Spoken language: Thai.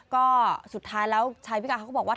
ก็สุดท้ายแล้วชายพิการเขาก็บอกว่า